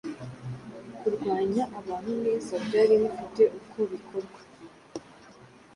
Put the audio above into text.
kurwanya abantu neza byari bifite ukobikorwa